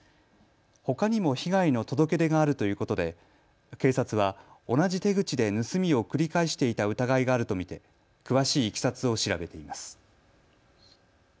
ほかにも被害の届け出があるということで警察は同じ手口で盗みを繰り返していた疑いがあると見て詳しいいきさつを調べています。